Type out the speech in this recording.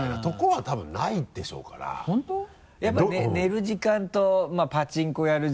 やっぱ寝る時間とパチンコやる